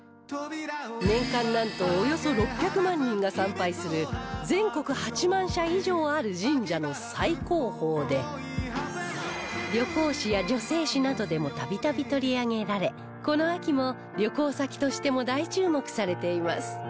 年間なんとおよそ６００万人が参拝する全国８万社以上ある神社の最高峰で旅行誌や女性誌などでも度々取り上げられこの秋も旅行先としても大注目されています